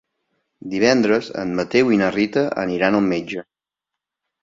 Divendres en Mateu i na Rita aniran al metge.